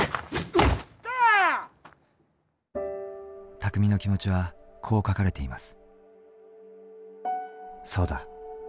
巧の気持ちはこう書かれています。